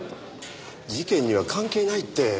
事件には関係ないって。